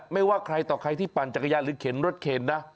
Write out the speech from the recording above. ไม่ว่าใครต่อใครที่ปั่นจักรยานหรือเข็นรถเข็นนะ